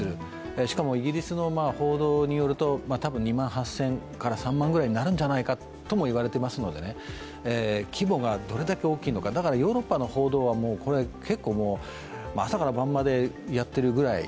しかもイギリスの報道によると多分２万８０００から３万ぐらいになるんではないかといわれていますので規模がどれだけ大きいのか、だからヨーロッパの報道は結構、朝から晩までやっているぐらい。